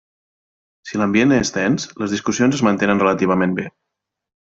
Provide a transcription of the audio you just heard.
Si l'ambient és tens, les discussions es mantenen relativament bé.